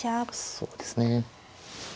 そうですね。